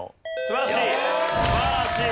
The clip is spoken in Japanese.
素晴らしい。